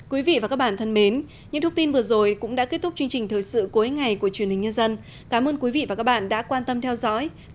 quý vị và các bạn thân mến những thông tin vừa rồi cũng đã kết thúc chương trình thời sự cuối ngày của truyền hình nhân dân cảm ơn quý vị và các bạn đã quan tâm theo dõi thân ái chào tạm biệt